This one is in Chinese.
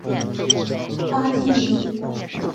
巴蒂尼。